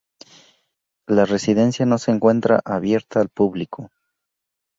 La residencia no se encuentra abierta al público.